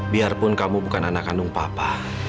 biarpun kamu bukan anak kandung papa